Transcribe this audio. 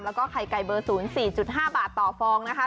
แล้วก็ไข่ไก่เบอร์๐๔๕บาทต่อฟองนะคะ